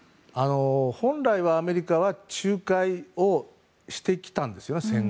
本来はアメリカは戦後仲介をしてきたんですよね。